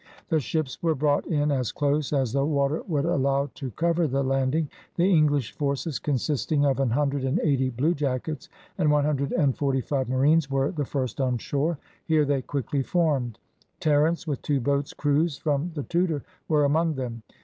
The ships were brought in as close as the water would allow to cover the landing. The English forces, consisting of an hundred and eighty bluejackets, and one hundred and forty five marines were the first on shore; here they quickly formed. Terence, with two boats' crews from the Tudor, were among them.